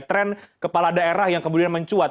tren kepala daerah yang kemudian mencuat